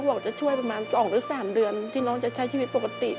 บอกจะช่วยประมาณ๒หรือ๓เดือนที่น้องจะใช้ชีวิตปกติ